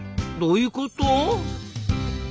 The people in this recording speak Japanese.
どういうこと？